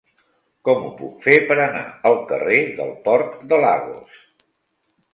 Com ho puc fer per anar al carrer del Port de Lagos?